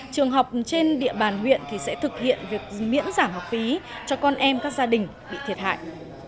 trường học trên địa bàn huyện sẽ thực hiện việc miễn giảm học phí cho con em các gia đình bị thiệt hại